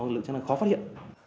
lượng chức năng khó phát hiện